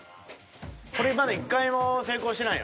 これまだ１回も成功してないよな？